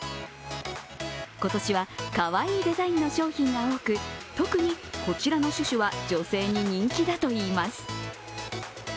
今年は、かわいいデザインの商品が多く、特にこちらのシュシュは女性に人気だといいます。